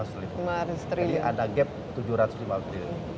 jadi ada gap tujuh ratus lima puluh triliun